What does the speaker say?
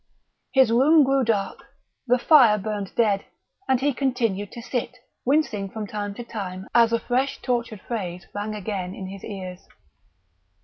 His room grew dark; the fire burned dead; and he continued to sit, wincing from time to time as a fresh tortured phrase rang again in his ears.